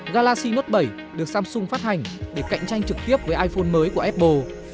galaxy note bảy được samsung phát hành để cạnh tranh trực tiếp với iphone mới của apple